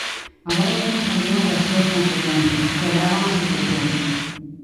Agora vemos algunhas das súas consecuencias, que agravan a situación.